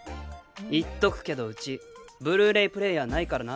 言っとくけどうちブルーレイプレーヤーないからな。